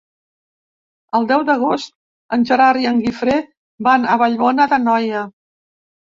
El deu d'agost en Gerard i en Guifré van a Vallbona d'Anoia.